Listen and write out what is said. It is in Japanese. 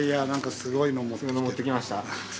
すごいの持ってきました。